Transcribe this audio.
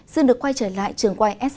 xin được quay trở lại trường quay s hai